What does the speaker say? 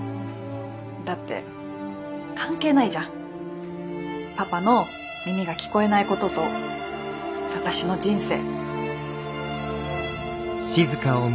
だって関係ないじゃんパパの耳が聞こえないことと私の人生。